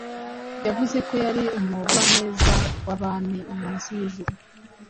Yavuze ko yari umugwaneza wabami munsi yijuru